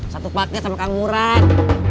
satu paket sama kang murad